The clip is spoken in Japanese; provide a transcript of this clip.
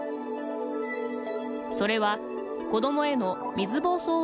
それは、子どもへの水ぼうそう